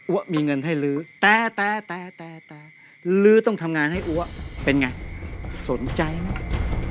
ว่ามีเงินให้ลื้อแต่แต่ลื้อต้องทำงานให้อัวเป็นไงสนใจไหม